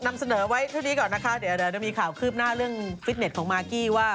นำเสนอไว้เท่านี้ก่อนนะคะเดี๋ยวจะมีข่าวคืบหน้าเรื่องฟิตเน็ตของมากกี้ว่า